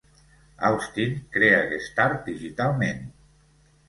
Austen crea aquest art digitalment.